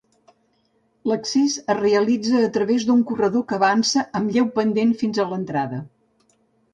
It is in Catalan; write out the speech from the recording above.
L'accés es realitza a través d'un corredor que avança amb lleu pendent fins a l'entrada.